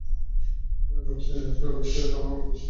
যখন চেন্নাইয়ে আসার কথা বলেছিলে জানো আমি কতো রোমাঞ্চিত ছিলাম?